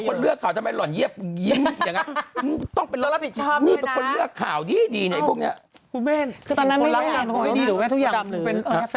น่าเหมือนเราไเหร่น่าเหมือนเราสุยเลยนะข้าวนี้อานกันหลายคนแล้วนะ